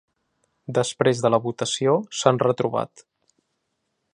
Després de la votació s’han retrobat.